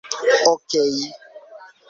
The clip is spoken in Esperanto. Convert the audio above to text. okej